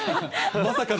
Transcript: まさかの。